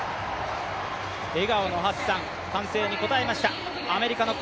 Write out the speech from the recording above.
笑顔のハッサン、歓声に応えました。